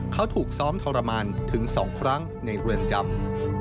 เขาถูกซ้อมทรมานถึง๒ครั้งในเรือนจำ